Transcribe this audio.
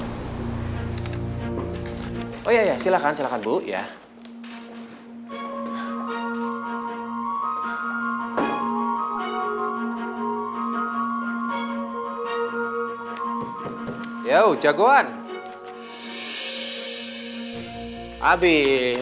aku cuma mau melihat penelitian penelitian asal asal internasional sebelum saya bahkan menangis